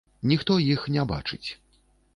Ніхто іх не бачыць.